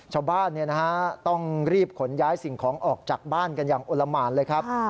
ชาวบ้านต้องรีบขนย้ายสิ่งของออกจากบ้านกันอย่างอลละหมานเลยครับ